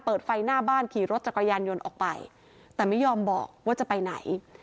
เปิดไฟหน้าบ้านขี่รถจักรยานยนต์ออกไปแต่ไม่ยอมบอกว่าจะไปไหน